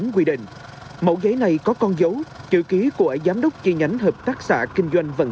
huyện vĩnh cửu và huyện trảng bom